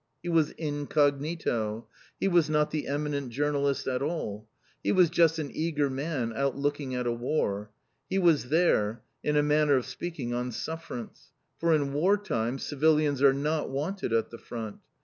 He was incognito. He was not the eminent journalist at all. He was just an eager man, out looking at a War. He was there, in a manner of speaking, on suffrance. For in War time, civilians are not wanted at the Front!